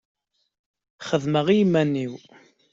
Xeddmeɣ i yiman-inu.